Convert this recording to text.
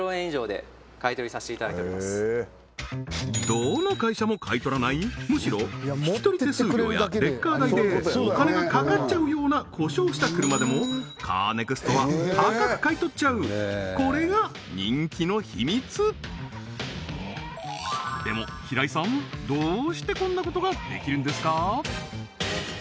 どの会社も買い取らないむしろ引き取り手数料やレッカー代でお金がかかっちゃうような故障した車でもカーネクストは高く買い取っちゃうこれが人気の秘密でも平井さんどうしてこんなことができるんですか？